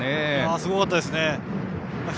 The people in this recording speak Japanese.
すごかったですね。